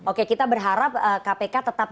oke kita berharap kpk tetap